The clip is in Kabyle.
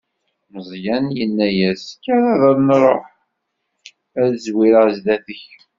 Meẓyan yenna-as: Kker ad nṛuḥ, ad zwireɣ zdat-k.